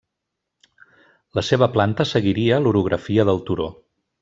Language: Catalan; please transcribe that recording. La seva planta seguiria l'orografia del turó.